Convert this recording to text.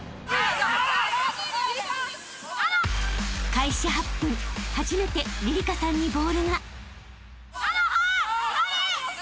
［開始８分初めてりりかさんにボールが］